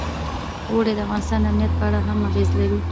اوړي د افغانستان د امنیت په اړه هم اغېز لري.